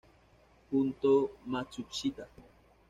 Junto Matsushita